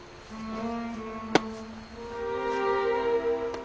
うん？